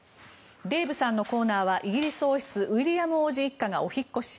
デーブさんのコーナーはイギリス王室ウィリアム王子一家がお引っ越し。